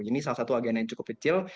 ini salah satu agenda yang cukup kecil